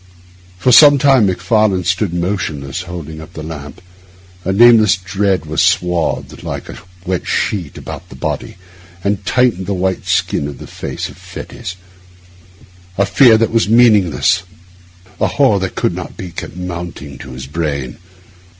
For some time Macfarlane stood motionless, holding up the lamp. A nameless dread was swathed, like a wet sheet, about the body, and tightened the white skin upon the face of Fettes; a fear that was meaningless, a horror of what could not be, kept mounting to his brain.